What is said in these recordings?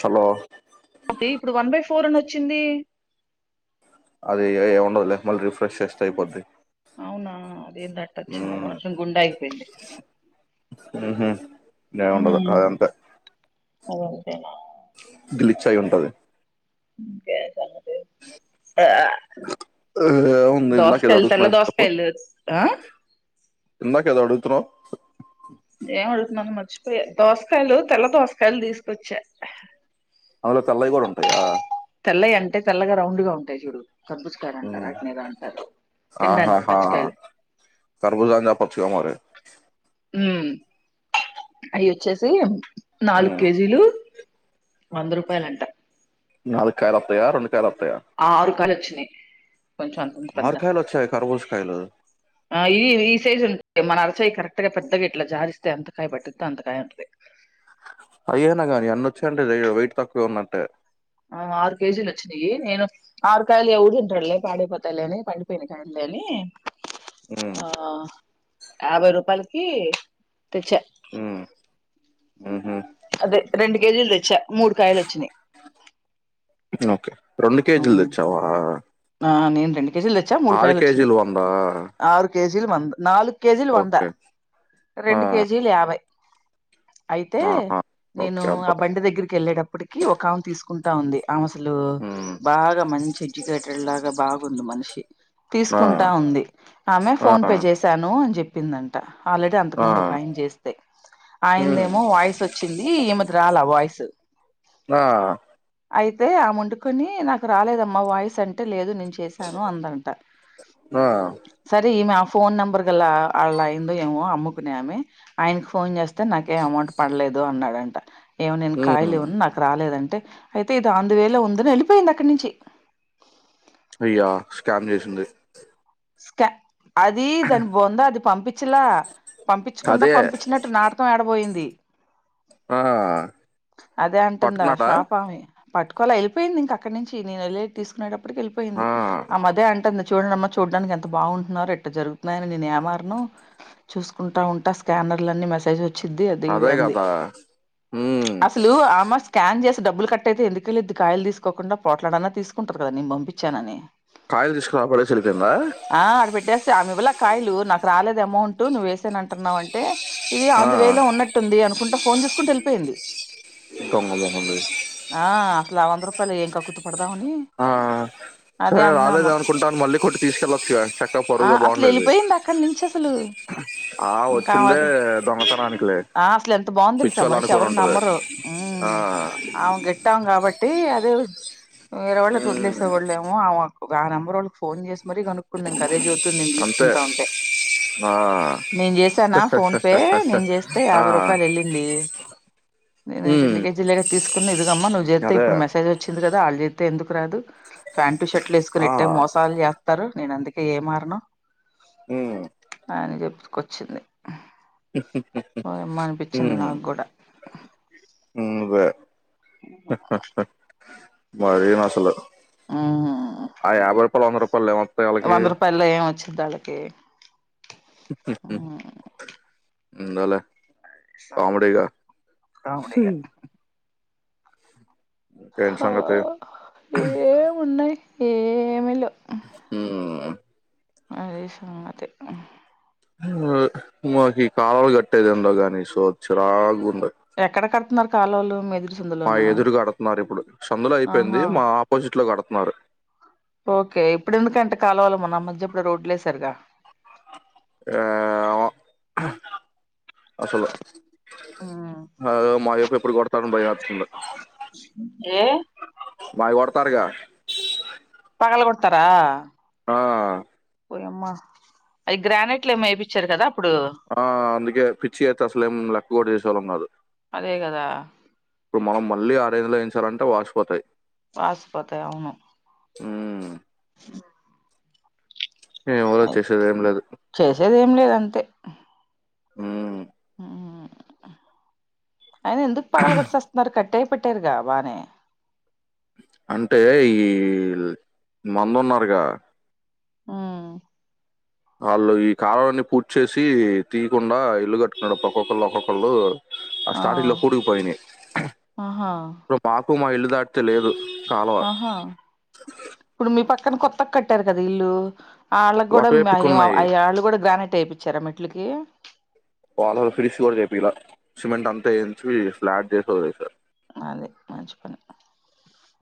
Hollow ఇప్పుడు one by four అని వచ్చింది ఏ ఉండదులే మళ్ళీ రిఫ్రెష్ చేస్తే అయిపోద్ది అవునా అదేం తట్టొచ్చింద కొంచెం గుండే ఆగిపోయింది హు ఏముండదు అదంత సరే అయితే గిలిచాయి ఉంటది ఇంకే సంగతి ఉంది ఇందాక ఏదో దోసకాయలు తెల్ల అడుగుతున్నావు దోసకాయలు ఆ ఎందక ఏదో అడుగుతునావ్ ఏం అడుగుతున్నాను మర్చిపోయా దోసకాయలు తెల్ల దోసకాయలు తీసుకొచ్చా అందులో తెల్లయి కూడ ఉంటాయా తెల్లగ అంటే తెల్గా రౌండ్ గా ఉంటాయి చూడు కర్బుజకాయలు అంటారు మ్మ్. [unintelligible] అంటారు తినడానికి పచ్చికయలు కరబుజా పచ్చగా మర ఉమ్ అవి వచ్చేసి నాలుగు మ్మ్. కేజీలు వంద రూపాయలు అంట నలు కాయలు వస్తాయా కాయలు వస్తాయా ఆరూ కాయలు వచ్చినాయి కొంచెం అంతంత పెద్ద ఆరు కాయలు వచ్చాయి కర్బూజ కాయలు ఆ ఈ ఈ సైజు ఉంట మన అరచాయి కరెక్ అత్తగా పెద్దగా ఇట్లా జారిస్తే అంతకాయ పట్టిదో అంతకాయ ఉంటుది అయ్యేన గాని అన్న వచ్చండడు బయట తక్కువ ఉన్నట్టే ఆ ఆరు కేజీల వచ్చినీ నేను ఆరు కాయలు ఎవదంట్రల్లే పాడే పతాయిలని పండి పేనకాయ లే మ్మ్. యాభై రూపాయలకి తెచ్చ మ్మ్. మ్హూ. అదే రెండు కేజీలు తెచ్చా మూడు కాయలు వచ్చినాయి ఓకే రెండు కేజీలు ఉమ్. తెచ్చావా ఆ నేను రెండు కేజీలు తెచ్చా మూడు ఆరు కాయలు వచ్చినాయి కేజీలు వందా కేజీ నాలుగు కేజీలు వంద ఓకే రెండు ఆ కేజీలు యాభై అయితే ఆహా! నేను ఓకే. ఆ అబ్బా! బండి దగ్గరికి వెళ్ళేటప్పటికి ఒక ఆమె తీసుకుంటా ఉంది అసలు హ్మ్. బాగా మంచి లాగ బాగుంది మనిషి ఆ! తీసుకుంటా ఉంది ఆమె ఆ! ఫోన్ పే చేశాను అని చెప్పి చెప్పిందంట ఆల్రెడీ అంతకు ఆ! ముందు ఒక ఆయన చేస్తేయి హ్మ్. ఆయందేమో వాయిస్ వచ్చింది రాల వయిస్ ఆ అయితే ఆమవుండుకొని నాకు రాలేదమ్మా వాయిస్ అంటే లేదు ని చేశాను అందంట ఆ! సరే ఈ మ ఫోన్ నెంబర్ గలా అళ్ళ అయిందో ఏమో అమ్ముకునేమి ఆయనకి ఫోన్ చేస్తా అయితే నాకు ఎం అమౌంట్ పడలేదు అన్నాడంట ఏమో నేను హ్మ్. కాయలుమన్నా నాకు రాలేదంటే అయితే ఇది అంది వేళ ఉందని వెళ్ళిపోయింది అక్కడి నుంచి అయ్యా స్కామ్ చేసింది స్కెప్ అది దాని బొంద అది పంపించలా పంపించకుండా అదే. పంపించినట్టు నాటకం ఏడబయింది ఆ! అదే అంటుందా పట్టుకున్నాడా? షాపా ఆమి పట్కోవాల వెళ్ళిపోయింది ఇం అక్క నుంచి నేను వెళ్ళి తీసుకునేటప్పటికి వెళ్ళిపోయింది ఆ మదే అంటుంది చూడండిమ్మా చ చూడడానికి ఎంత బాగుంటున్నారో ఎట్లా జరుగుతున్నాయని నేను ఏమారను చూసుకుంటా ఉంటా స్కానర్ లన్నీ మెసేజ్ అది ఇది అదే అన్నది గదా! హ్మ్. అసలు ఆమె స్కాన్ డబ్బులు కట్ట అయితే ఎందుక వె లేద్ది కాయలు తీకోకుండా పోట్లాడనా తీసుకుంటారు కదా నేను పంపించానని కాయ తీసుకకు పడే ఆ ఆ పెట్టేస్త అ వ కాయలు నాకు రాలేదు అమౌంట్ నువ్్వ వేసేను అంటున్నావ అంటే ఇది ఆ! అందు వేలో ఉన్నట్టుంది అనుకుంటా ఫోన్ చూసుకుంటూ వెళ్ళిపోయింది దొంగ మొహంది. ఆ అసలు ఆ వంద రూపాయలు ఏంకా కుతు ప్పుడుదావుని ఆ! అదే సరే అందామా రాలేదనుకుంటాను మళ్ళీ కొట్టి తీసుకెళ్ళొచ్చుగా చక్కగా ఆ పరువుగా అసలు బావుండేది. వెళ్ళిపోయింది అక్కడి నుంచి అసలు ఆ! వచ్చిందే ఇంకావదు దొంగతనానికిలే. ఆ అసలు ఎంత బాగుంది తెలుసా మనిషి ఎవరు పిచ్చోళ్ళనుకోనుంటది. నమ్మరు ఆ! అ గెట్టాం కాబట్టి అది వేరే వాళ్ళ వదిలేస్తే వాళ్ళ ఏమో ఆ నంబర్ వాళ్ళకి ఫోన్ చేసి మరీ కనుక్కుందందింక అదే జ్యోతి ంది అంతే. తీసుకుంటా ఉంటే ఆ! నేను చేసానా ఫోన్ పే నేను చేస్తే ఆ! యాభై రూపాయలు వెళ్ళింది నేను ఉమ్ రెడు కేజీలగా తీసుకున్న ఇగమ్ నువ్వు చేస్తతే అదే ఇప్పుడు మెసేజ్ వచ్చంది కదా వాళ్ళ అయితే ఎందుకు రాదు ప్యాంటు షర్ట్లు వేసుకుొని ఆ ఎట్టై మోసాలు చేస్తారు నేను అందుకే ఏ మారను ఉమ్ ఆయన చెప్పుతకొచ్చింది మ్మ అనిపించింది నాకు కూడా మున్ందు అను మరిీ అసలు ఉమ్ ఆ యాభై రూపాయలు వంద రూపాయలు లేమ వంద రూపాయల్లో ఏం వచ్చిది వాళ్ళకి ంద రా ఉడిగా ఉమ్, ఇంకేంటి సంగతే ఏమిలు హ మదే సంగతే మాకు కాలాలు కట్టేది ఎందుో గాని సో చిరా ఎక్కడ కడుతున్నారు కాలు వాళ్ళు మెది మా ఎదురుగాడుతున్నారు ఇప్పుడు చందులు అయిపోయింది ఆహా మా ఆపోజిట్ లో కడుతున్నారు ఓకే ఇప్పుడు ఎందుక అంటే కాాలవాలము నా మధప్పుడు రోడ్లే సరిగా ఆ అసలు అ మాయపు ఎప్పుడు కొడతాను భయాతులు ఏ బయ కొడతారుగా పగలు కొడతారా ఆ పోయమ్మా అవి గ్రానైట్లు ఏం వేయిచ్చారు కదా అప్పుడు ఆ అందుకే పిచ్చి అయితే అసలే ఏం లెక్క కూడా చేసేళ్లం కాదు అదే కదా ఇప్పుడు మనం మళ్ళీ ఆ రేజలో వయించాలంటే వాసిపోతాయి వాశ పతా అవును హ ఎవరో అ చేసేది ఏం లేదు. చేసేదేం లేదు అంతే హ్మ హ్మ్ అయిన ఎందుకు పగల కొట్టిశస్తున్నారు కట్ దయపేట్టరుగా బనేే అంటే ఈ మందు ఉన్నారుగా హ్మ్ వాళ్ళు ఈ కాలావన్ని పూర్చేసి తీయకుండా ఇల్లు కట్టుకున్నారుడు ఒక్కొక్కళ్ళు ఒక్కొక్కళ్ళు ఆ స్టార్టింగ్ లో కూడికిపోయినాయి ఆహా ఇప్పుడు మాకు మా ఇల్లు దాటితే లేదు కాలువ ఆహా ఇప్పుడు మీ పక్కన కొత్తగా కట్టారు కదా ఇల్లు ఆళ్ళకూడా అటువైపుకి ఉన్నాయి. అ ఆళ్ళు కూడా గ్రానైట్ ఏపిచారా మెట్లకి వాళ్ళ ఫినిష్ కూడా చేపీల సిమెంట్ అంతా ఎంచి ఫ్లాట్ చేసి వదిలేశారు అదే మంచి పని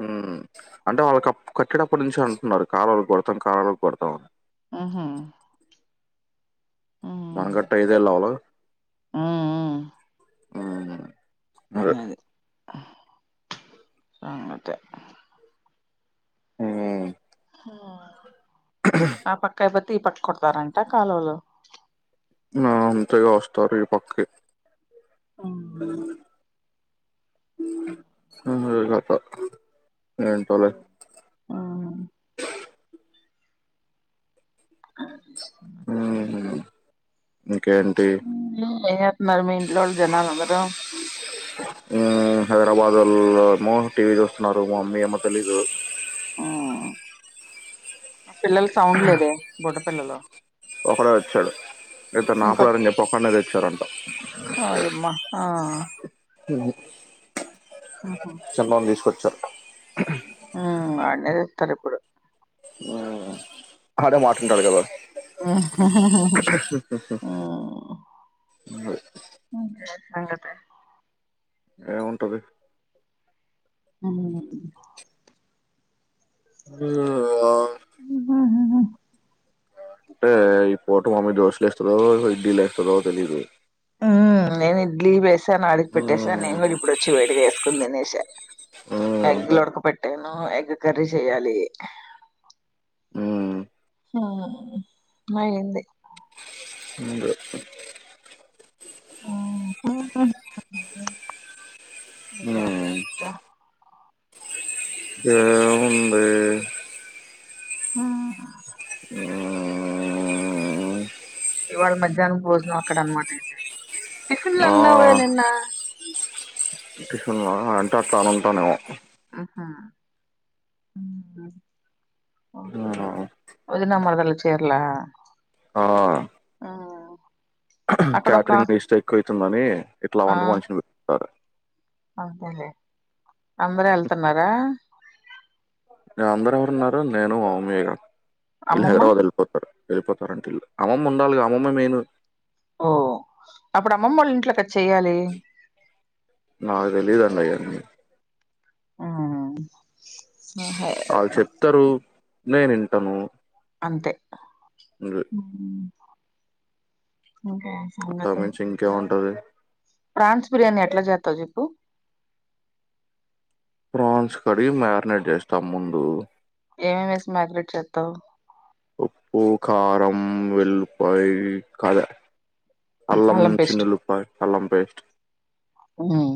హ్మ్ అంటే వాళ్ళకి కట్డడప్పుడు నుంచి అంటున్నారు కలవాలకి కొడతాం కాల వాళ్కు కొడతంని ఆహా మనకట్ట ఐదుయేలు అవలె హ్మ్ హ్మ హ్మ్ అదే అది అంతే హ్మ్ ఆ పక్క అయిపోతే ఈ పక్క కొడతారంటా కాలవలు ఆ అంతేగా వస్తారు ఈ పక్కకి అ హ్మ్ హు ఏంటో లే హ్మ్ ఇంకేంటి? హ్మ ఏం చెత్తనారు మీ ఇంట్లో వాలు జనాలు అందరూ హైదరాబాదు వాళ్ళ ఏమో టీవీ చూస్తున్నారు మా మమ్మీ ఏమో తెలీదు ఆ పిల్లల సౌండ్ లేదే బుడ్డ పిల్లలు ఒకడే వచ్చాడు ఇద్దరిని ఇంకొ ఆపలేరు అని చెప్పి ఒకడినే తెచ్చారంటా ఓయమ్మ ఆ హ్మ్ ఉహు చిన్నోని తీసుకొచ్చా హ్మ్ బానే చెప్తారు ఇపుడు హ్మ్. ఆడే మాటింటాడు కదా హ్మ్ ఉన్లె అంగతే ఏముంటది హ్మ ఉ హ్మ్ హ్మ హ్మ అంటే ఈ పూట మమ్మీ దోష లు ఎస్తదో ఇడ్లీ లు ఏస్తదో తెలీదు నేనే ఇడ్లీ వేసాను ఆడికి పెట్టేసాను హ్మ్. నేను కూడా ఇప్పుడు వచ్చి వేడిగా వేసుకుని తినేస హ్మ్. ఎగ్లూ ఉడకపెట్టాను ఎగ్ కర్రీ చెయ్యాలి హ్మ్. హ్మ్ అయింది అదే. హ్మ్. [inaudible] ఏముంది హ్మ్ మ్మ్. ఇవాళ మధ్యాహ్నం భోజనం అక్కడ అన్నమాట అయితే టిఫిన్లు ఆ, అన్నావే నిన్న టిఫిన్ ఆ, అంటే అట్లా అనుంటానేమో హ్మ్ ఒకే ఓదిన మరదలా చిర్లా ఆ, హ్మ్ కే్యాటరింగ్కి ఇస్తే ఎక్కువ అవుతుందని ఇట్లా ఆ వంట మనిషిని పెతారు అంతేలే అందరూ వెళ్తున్నారా మేం అందరు ఎవరు ఉన్నారు నేను మా మమ్మీ ఎగ వీళ్ళు అమ్మమ్మ హైదరాబాద్ వెళ్ళిపోతారు వెళ్ళిపోతారంట వీళ్ళు అమ్మమ్మ ఉండాలిగా అమ్మమే మెయిన్ ఓ అప్పుడు అమ్మమ్మ వాళ ఇంట్లో క నాకు తెలీదు అన్నయ్య ఆహ వాళ్ళు చెప్తారు నేను వింటాను అంతే ఇంకేం అంతకు సంగతి మించి ఇంకేం ఉంటది ప్రాన్స్ బిర్యానీ ఎట్ల చెత్తవు చెప్పు ప్రాన్స్ కడిగి మాగ్నెట్ చేస్తాం ముందు ఏమేమి వేసి మ్యాగ్నేట్ చెత్తవ్ ఉప్పు కారం వెల్లుల్లి పాయి ఇంకదే అల్లం చిన్నుల్లిపాయి అల్లం పేస్ట్ మ్మ్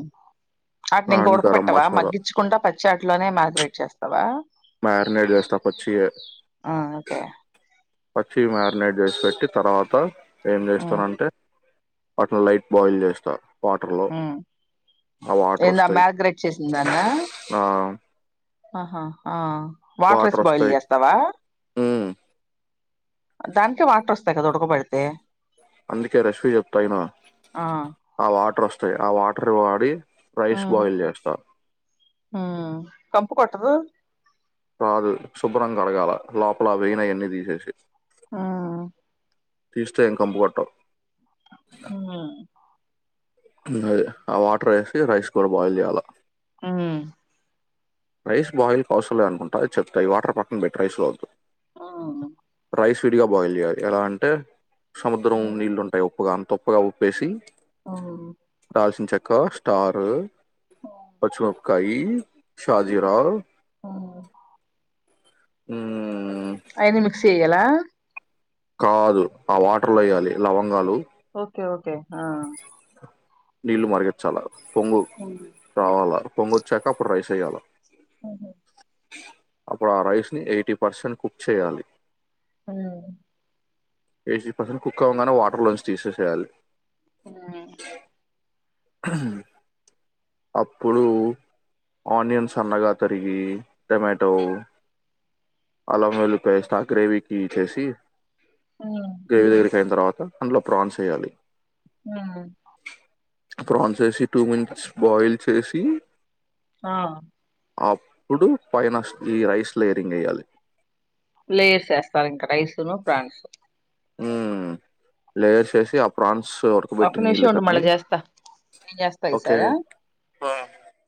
అట్నే ఇంక అండ్ ఉడక గరం పెట్టవా మసాలా మగ్గించకుండా పచ్చి అట్లనే మ్యాగ్రేట్ చేస్తా మ్యరినేడ్ చేస్తా పచ్చిగే ఆ ఓకే పచ్చి మ్యారినేట్ చేసి పెట్టి తర్వాత ఏం చేస్తానంటే అటు లైట్ బాయిల్ చేస్తా వాటర్లో ఆ వాటర్ ఏందా వస్తాయి మ్యాగ్రేట్ చేసిన దాన్నా ఆ ఆహా ఆ వాటర్స్ వాటర్ బాయిల్ వస్తాయి చేస్తావా ఉమ్, దానికే వాటర్ వస్తాయి కదా ఉడకబడితే అందుకే రెసిపీ చెప్తా యిను ఆ ఆ వాటర్ వస్తాయి ఆ వాట టర్ వాడి రైస్ బాయిల్ చేస్తారు మ్మ్ కంపు కొట్టదు రాదు శుభ్రం కడగాల లోపల ఆ విన ఆయన్ని తీసేసి మ్మ్ తీస్తా ఏం కంపు కొట్టవ్ మ్మ్ అదే ఆ వాటర్ వేసి రైస్ కూడా బాయిల్ చేయాలా మ్మ్ రైస్ బాయిల్ అవసరం లే అనుకుంటా అది చెప్త ఈ వాటర్ పక్కన బెటర్ రైస్ అవద్దు ఆ రైస్ విడిగా బాయిల్ చేయాలి ఎలా అంటే సముద్రం నీళ్ళు ఉంటాయి ఉప్పుగా అంత ఉప్పుగా ఉప్పేసి దాల్సిన చెక్క స్టార్ పచ్చిమిపకాయి షాజిరావు ఆయన్ని మిక్స్ చేయ్యాల కాదు ఆ వాటర్ లో వేయ్యాలి లవంగాలు ఓకే ఓకే ఆ నీళ్లు మరిగిచ్చాల పొంగు రావాల పొంగ వచ్చాక అప్పుడు రైస్ ఏయ్యాల అప్పుడు ఆ రైస్ ని ఎయిటీ పర్సెంట్ కుక్ చేయాలి మ్మ్ ఏసీ పర్సన్ కుక్ అవ్వంగానే వాటర్ లోంచి తీసేసేయాలి మ్మ్ అప్పుడు ఆనియన్స్ సన్నగా తరిగి టమాటో అల్లం వెల్లిపాయ వేస్తా గ్రేవీకి చేసి గ్రేవీ అయిన తర్వాత అందులో ప్రాన్స్ ఎయ్యాలి ఆ ప్రాన్స్ వేసి టూ మినిట్స్ బాయిల్ చేసి ఆ అప్పుడు పైన ఈ రైస్ లేయరింగ్ వేయ్యాలి లేయర్స్ వేస్తారు ఇంకా రైసును ప్రాన్స్ ఉమ్ లేయర్సేసి ఆ ప్రన్ సు ఉడక ఒక్క పెట్టిన్ నిమిషం నీళ్ళు ఉండు మళ్ళా కానీ చేస్తా నేను చేస్తా ఓకే ఈసారా